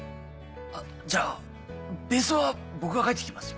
あっじゃあベースは僕が書いてきますよ。